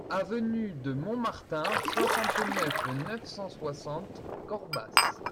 Avenue de Montmartin, soixante-neuf, neuf cent soixante Corbas